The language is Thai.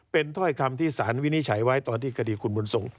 เป็นถ้อยคำที่สารวินิจฉัยไว้ตอนที่คดีคุณบุญทรง